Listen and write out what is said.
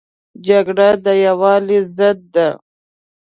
جګړه د یووالي ضد ده